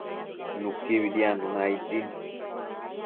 Nuquibi diadnuna aid din